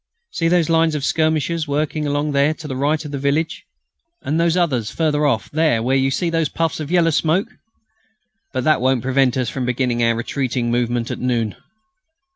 See those lines of skirmishers working along there to the right of the village. And those others further off, there where you see those puffs of yellow smoke. But that won't prevent us from beginning our retreating movement at noon.